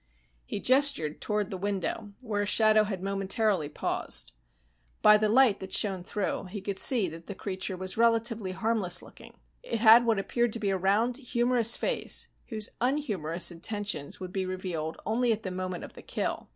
He gestured toward the window, where a shadow had momentarily paused. By the light that shone through, he could see that the creature was relatively harmless looking. It had what appeared to be a round, humorous face whose unhumorous intentions would be revealed only at the moment of the kill.